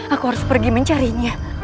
aku harus pergi mencarinya